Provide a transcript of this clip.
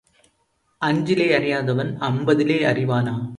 அஞ்சிலே அறியாதவன் அம்பதிலே அறிவானா?